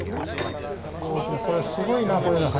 大きなこれすごいなこれ梁